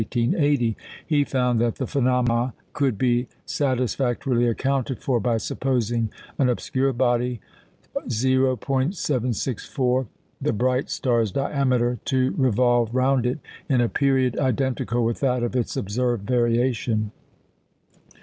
He found that the phenomena could be satisfactorily accounted for by supposing an obscure body 0·764 the bright star's diameter to revolve round it in a period identical with that of its observed variation.